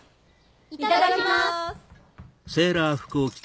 いただきます。